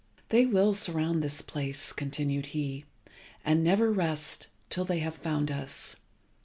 "They will surround this place," continued he, "and never rest till they have found us.